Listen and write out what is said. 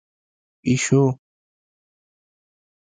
🐈 پېشو